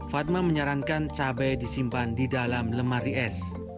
fatma menyarankan cabai disimpan di dalam lemari es